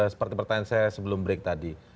seperti pertanyaan saya sebelum break tadi